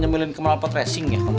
njemelin ke mau root tracing ya kum